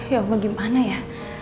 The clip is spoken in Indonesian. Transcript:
ya allah gimana ya